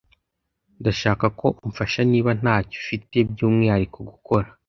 Ndashaka ko umfasha niba ntacyo ufite byumwihariko gukora.